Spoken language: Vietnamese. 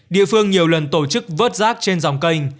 địa phương nhiều lần tổ chức vớt rác trên dòng kênh